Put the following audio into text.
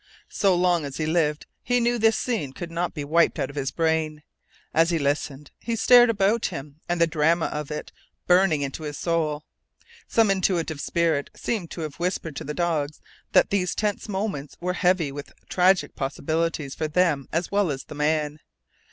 So long as he lived he knew this scene could not be wiped out of his brain. As he listened, he stared about him and the drama of it burning into his soul. Some intuitive spirit seemed to have whispered to the dogs that these tense moments were heavy with tragic possibilities for them as well as the man.